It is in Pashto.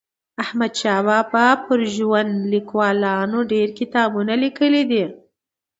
د احمدشاه بابا پر ژوند لیکوالانو ډېر کتابونه لیکلي دي.